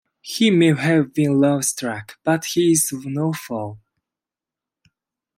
He may have been lovestruck, but he was no fool.